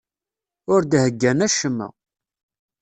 Ur d-heyyan acemma.